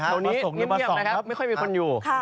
ตรงนี้เยี่ยมไม่ค่อยมีคนอยู่